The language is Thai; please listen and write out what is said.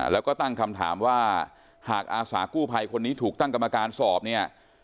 แล้วก็ตั้งคำถามว่าหากอาสากู้ภัยคนนี้ถูกตั้งกรรมการสอบเนี่ย